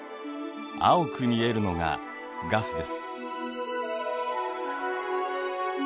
青く見えるのがガスです。